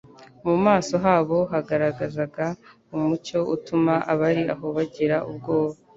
Mu maso habo hagaragazaga umucyo utuma abari aho bagira ubwoba.